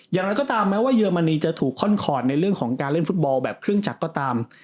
อย่างไรก็ตามแม้ว่าเยอรมนีจะถูกค่อนคอร์ดในเรื่องของการเล่นฟุตบอลแบบเครื่องจักรก็ตาม